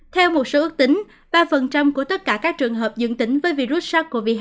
theo một số ước tính ba của tất cả các trường hợp dương tính với virus sars cov hai